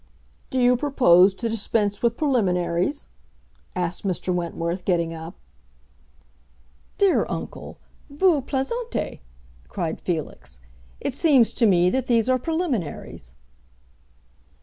"Do you propose to dispense with preliminaries?" asked Mr. Wentworth, getting up. "Dear uncle, vous plaisantez!" cried Felix. "It seems to me that these are preliminaries."